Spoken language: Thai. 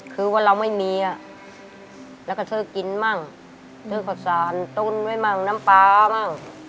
คือว่าเราไม่มีอ่ะแล้วก็เธอกินมั่งเธอก็สารต้นไว้มั่งน้ำปลามั่ง